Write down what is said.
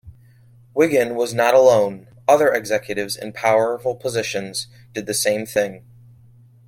Wiggin was not alone, other executives in powerful positions did the same thing.